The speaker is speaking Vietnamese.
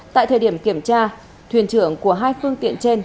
tại thời điểm kiểm tra thuyền trưởng của hai phương tiện trên